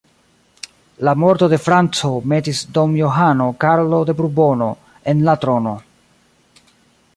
La morto de Franco metis Don Johano Karlo de Burbono en la trono.